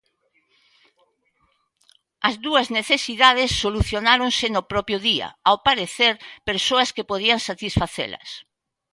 As dúas necesidades solucionáronse no propio día ao aparecer persoas que podían satisfacelas.